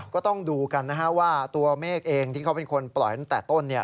ก็ต้องดูกันนะฮะว่าตัวเมฆเองที่เขาเป็นคนปล่อยตั้งแต่ต้นเนี่ย